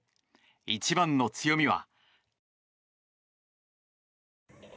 一番の強みは。